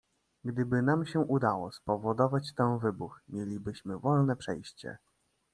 "Gdyby nam się udało spowodować tam wybuch, mielibyśmy wolne przejście."